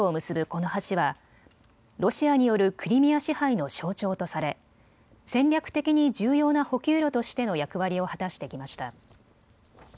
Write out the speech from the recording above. この橋はロシアによるクリミア支配の象徴とされ戦略的に重要な補給路としての役割を果たしてきました。